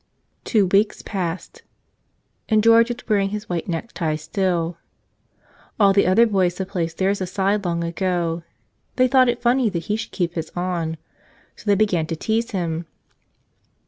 Two weeks passed, and George was wearing his white necktie still. All the other boys had placed theirs aside long ago. They thought it funny that he should keep his on. So they began to tease him.